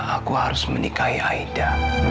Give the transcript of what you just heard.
aku harus menikahi aida